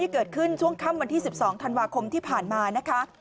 เกิดขึ้นช่วงค่ำวันที่๑๒ธันวาคมที่ผ่านมานะคะ